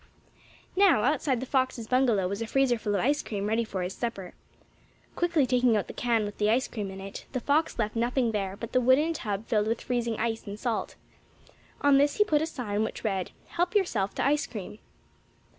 Now, outside the fox's bungalow was a freezer full of ice cream ready for his supper. Quickly taking out the can with the ice cream in it, the fox left nothing there but the wooden tub filled with freezing ice and salt. On this he put a sign which read: "Help yourself to ice cream."